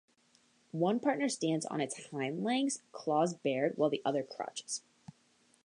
One panther stands on its hind legs, claws bared, while the other crouches.